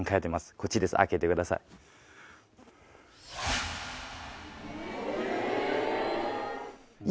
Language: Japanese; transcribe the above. こっちです開けてください。え！